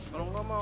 kalau gak mau